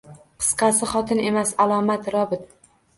Qisqasi, xotin emas, alomat robot